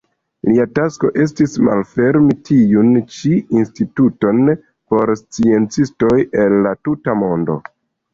Lia tasko estis malfermi tiun ĉi instituton por sciencistoj el la tuta mondo.